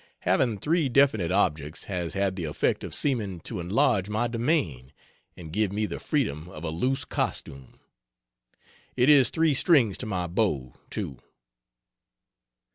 Having three definite objects has had the effect of seeming to enlarge my domain and give me the freedom of a loose costume. It is three strings to my bow, too.